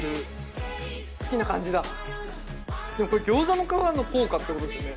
これギョーザの皮の効果ってことですよね？